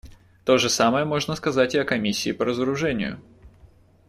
То же самое можно сказать и о Комиссии по разоружению.